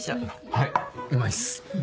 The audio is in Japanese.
はいうまいっす！